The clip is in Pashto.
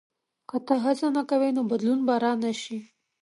• که ته هڅه نه کوې، نو بدلون به نه راشي.